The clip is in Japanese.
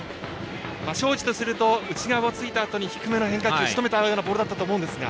庄司とすると内側をついたあとに低めの変化球でしとめたようなボールだったと思うんですが。